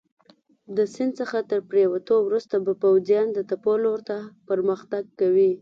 د سیند څخه تر پورېوتو وروسته به پوځیان د تپو لور ته پرمختګ کوي.